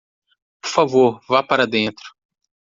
Por favor, vá para dentro